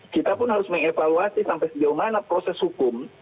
kita pun harus mengevaluasi sampai sejauh mana proses hukum